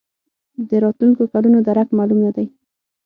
د راتلونکو کلونو درک معلوم نه دی.